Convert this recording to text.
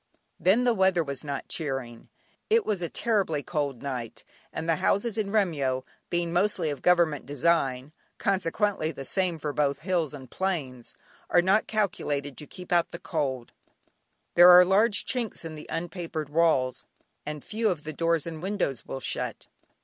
Then the weather was not cheering. It was a terribly cold night, and the houses in Remyo, being mostly of Government design, consequently the same for both hills and plains, are not calculated to keep out the cold; there are large chinks in the unpapered walls, and few of the doors and windows will shut.